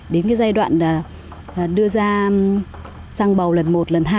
đến cái giai đoạn đưa ra sang bầu lần một lần hai